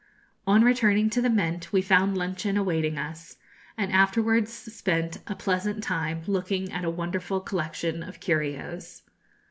On returning to the Mint we found luncheon awaiting us, and afterwards spent a pleasant time looking at a wonderful collection of curios.